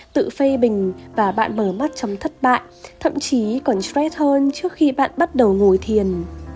tự phê bình và bạn mở mắt trong thất bại thậm chí còn stress hơn trước khi bạn bắt đầu ngồi thiền